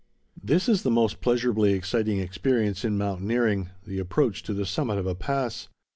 This is the most pleasurably exciting experience in mountaineering—the approach to the summit of a pass.